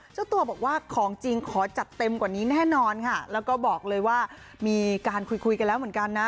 เจ้าตัวบอกว่าของจริงขอจัดเต็มกว่านี้แน่นอนค่ะแล้วก็บอกเลยว่ามีการคุยคุยกันแล้วเหมือนกันนะ